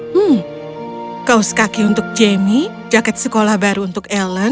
hmm kaos kaki untuk jemmy jaket sekolah baru untuk ellen